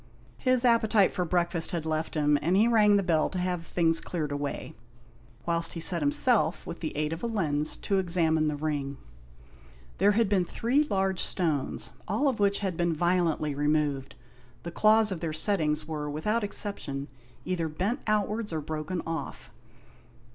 His appetite for breakfast had left him, and he rang the bell to have the things cleared away, whilst he set himself, with the aid of a lens, to examine the ring. There had been three large stones, all of which had been violently removed. The claws of their settings were, without exception, either bent outwards, or broken off.